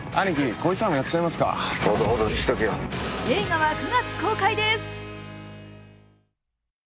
映画は９月公開です。